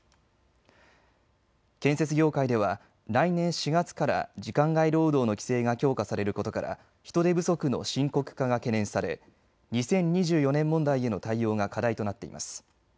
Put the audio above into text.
建設業界では来年４月から時間外労働の規制が強化されることから人手不足の深刻化が懸念され２０２４年問題への対応が課題となっています。